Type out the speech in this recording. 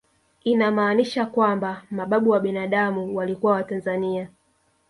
Inamaanisha kwamba mababu wa binadamu walikuwa watanzania